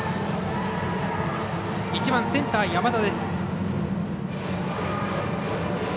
１番、センター、山田。